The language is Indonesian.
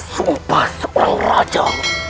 sumpah seorang raja